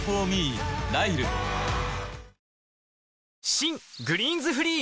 新「グリーンズフリー」